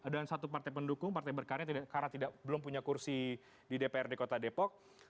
dan satu partai pendukung partai berkarya karena belum punya kursi di dprd kota depok